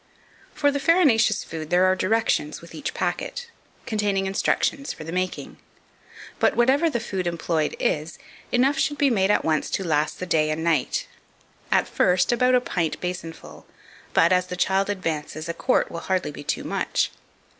2503. For the farinaceous food there are directions with each packet, containing instructions for the making; but, whatever the food employed is, enough should be made at once to last the day and night; at first, about a pint basinful, but, as the child advances, a quart will hardly be too much.